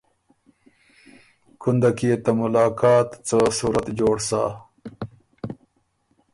کُندک يې ته ملاقات څه صورت جوړ سَۀ۔